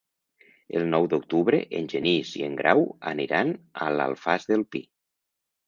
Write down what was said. El nou d'octubre en Genís i en Grau aniran a l'Alfàs del Pi.